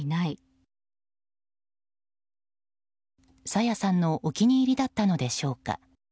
朝芽さんのお気に入りだったのでしょうか。